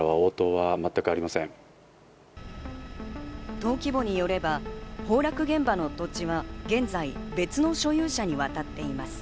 登記簿によれば、崩落現場の土地は現在、別の所有者に渡っています。